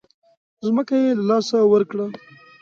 ځمکه یې له لاسه ورکړه.